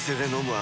あ！